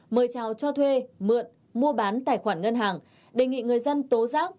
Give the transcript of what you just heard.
mời chào cho thuê mượn mua bán tài khoản ngân hàng đề nghị người dân tố giác